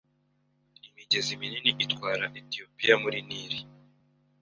imigezi minini itwara Etiyopiya muri Nili